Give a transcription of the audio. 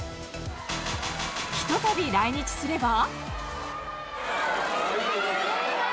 ひとたび来日すれば。